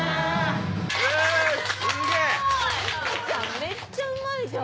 めっちゃうまいじゃん。